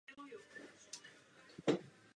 Načasování je příznivé.